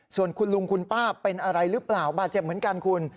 ส่วนคุณลุงคุณป้าเป็นอะไรหรือเปล่าบาดเจ็บเหมือนกันคุณ